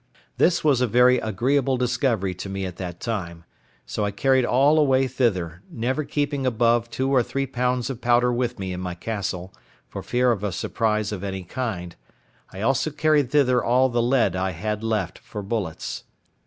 This was a very agreeable discovery to me at that time; so I carried all away thither, never keeping above two or three pounds of powder with me in my castle, for fear of a surprise of any kind; I also carried thither all the lead I had left for bullets.